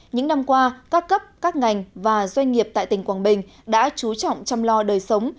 những năm qua các cấp các ngành và doanh nghiệp tại tỉnh quảng bình đã chú trọng chăm lo đời sống